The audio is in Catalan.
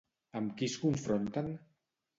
Amb qui es confronten?